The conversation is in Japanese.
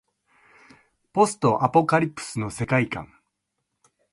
ポストアポカリプスの世界観